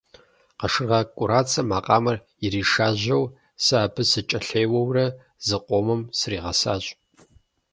Къашыргъэ КӀурацэ макъамэр иришажьэу, сэ абы сыкӀэлъеуэурэ зыкъомым сригъэсащ.